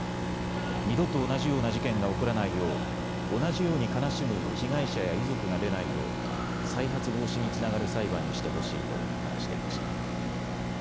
二度と同じような事件が起こらないよう同じように悲しむ被害者や遺族が出ないよう再発防止につながる裁判にしてほしいと話していました。